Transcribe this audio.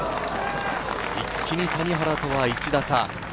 一気に谷原とは１打差。